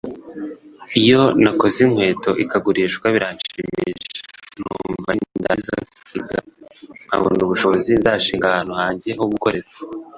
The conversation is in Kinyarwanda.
Iyo nakoze inkweto ikagurishwa biranshimisha numva nindangiza kuwiga nkabona ubushobozi nzashinga ahantu hanjye ho gukorera